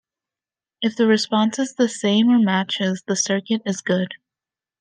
If the response is the same or matches, the circuit is good.